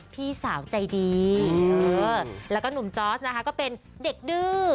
พี่สาวใจดีแล้วก็หนุ่มจอร์สนะคะก็เป็นเด็กดื้อ